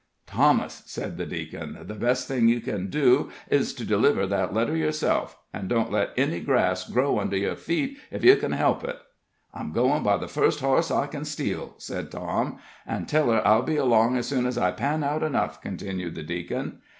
"Thomas," said the deacon, "the best thing you can do is to deliver that letter yourself. An' don't let any grass grow under your feet, ef you ken help it." "I'm goin' by the first hoss I ken steal," said Tom. "An' tell her I'll be along ez soon as I pan out enough," continued the deacon.